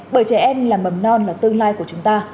bởi trẻ em là mầm non là tương lai của chúng ta